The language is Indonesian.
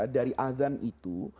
dari azan itu